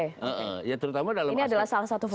ini adalah salah satu fungsinya ya